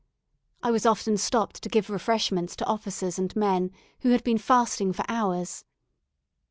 I was often stopped to give refreshments to officers and men, who had been fasting for hours.